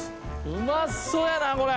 うまそうやなこれ。